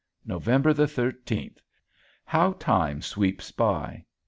November the thirteenth! how time sweeps by.